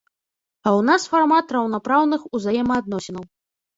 А ў нас фармат раўнапраўных узаемаадносінаў.